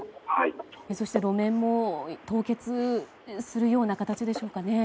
そして、路面も凍結するような形でしょうかね。